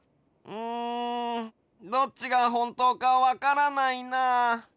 うんどっちがホントかわからないな。